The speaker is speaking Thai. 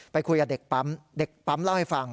คุยกับเด็กปั๊มเด็กปั๊มเล่าให้ฟัง